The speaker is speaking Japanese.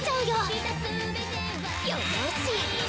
よし！